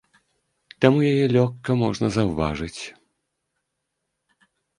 Таму яе лёгка можна заўважыць.